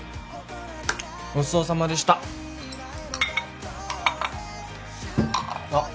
ごちそうさまでしたあっ